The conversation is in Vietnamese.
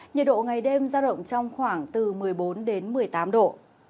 nhiệt độ ngày đêm giao động trong khoảng từ một mươi bốn đến một mươi tám độ